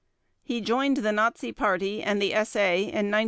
He joined the Nazi Party and the SA in 1925.